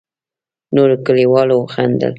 نورو کليوالو وخندل.